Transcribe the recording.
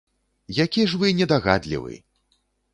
Які ж вы недагадлівы!